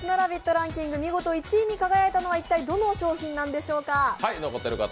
ランキング、見事１位に輝いたのは一体どの商品なのでしょうか。